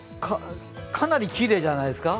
かなりきれいじゃないですか？